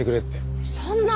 そんな！